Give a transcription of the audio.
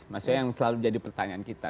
maksudnya yang selalu jadi pertanyaan kita